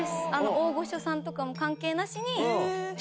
大御所さんとかも関係なしに。